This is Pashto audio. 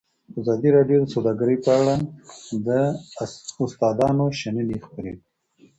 ازادي راډیو د سوداګري په اړه د استادانو شننې خپرې کړي.